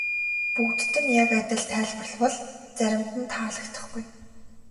Бүгдэд нь яг адил тайлбарлавал заримд нь таалагдахгүй.